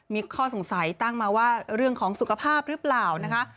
มีข้อสงสัยตั้งมาว่าเรื่องของสุขภาพหรือเปล่านะคะ